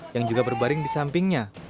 yang juga berbaring di sampingnya